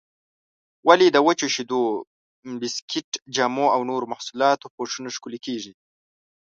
ولې د وچو شیدو، بسکېټ، جامو او نورو محصولاتو پوښونه ښکلي کېږي؟